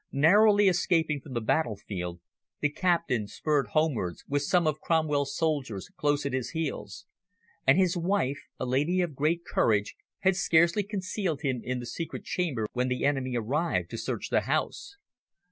Narrowly escaping from the battle field, the captain spurred homewards, with some of Cromwell's soldiers close at his heels; and his wife, a lady of great courage, had scarcely concealed him in the secret chamber when the enemy arrived to search the house.